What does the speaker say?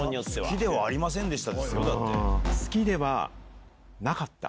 「好きではありませんでした」ですよ。